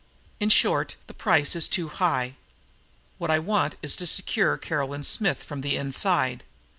"In short, the price is too high. What I want is to secure Caroline Smith from the inside.